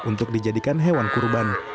untuk dijadikan hewan kurban